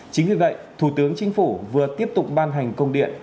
chính vì vậy thủ tướng chính phủ vừa tiếp tục ban hành công điện